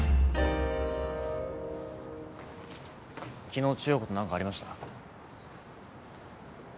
昨日千代子と何かありました？